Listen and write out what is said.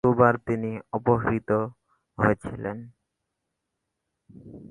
দুবার তিনি অপহৃত হয়েছিলেন।